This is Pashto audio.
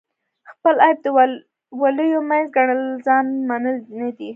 خپل عیب د ولیو منځ ګڼل ځان منل نه دي.